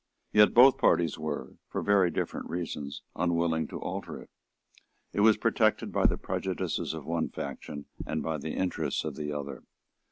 Yet both parties were, for very different reasons, unwilling to alter it. It was protected by the prejudices of one faction and by the interests of the other.